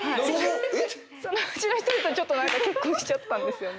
そのうちの１人と結婚しちゃったんですよね。